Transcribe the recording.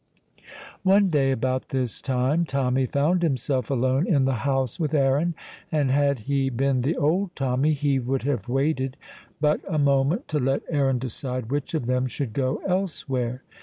One day about this time Tommy found himself alone in the house with Aaron, and had he been the old Tommy he would have waited but a moment to let Aaron decide which of them should go elsewhere.